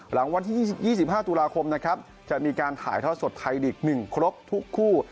หลังวันที่๒๕ตุลาคมนะครับจะมีการถ่ายทอดสดไทยลีก๑ครบทุกคู่